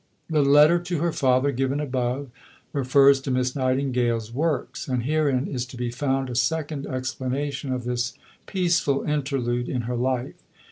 III The letter to her father, given above, refers to Miss Nightingale's "Works"; and herein is to be found a second explanation of this peaceful interlude in her life.